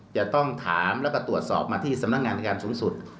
จะต้องถามแล้วก็ตรวจสอบมาที่สำนักงานอายการสูงสุด